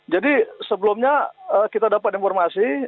jadi sebelumnya kita dapat informasi